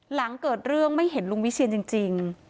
หลังเกิดเรื่องไม่เห็นลุงวิเชียนจริง